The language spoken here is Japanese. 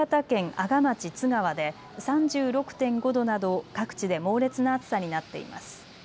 阿賀町津川で３６．５度など各地で猛烈な暑さになっています。